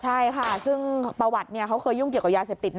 ใช่ค่ะซึ่งประวัติเขาเคยยุ่งเกี่ยวกับยาเสพติดนะ